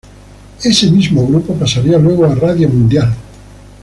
Este mismo grupo pasaría luego a Radio Mundial.